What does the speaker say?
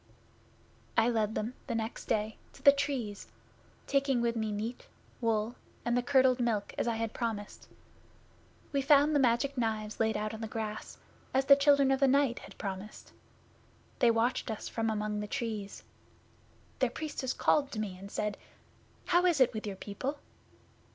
'I led them, the next day, to the Trees, taking with me meat, wool, and curdled milk, as I had promised. We found the Magic Knives laid out on the grass, as the Children of the Night had promised. They watched us from among the Trees. Their Priestess called to me and said, "How is it with your people?"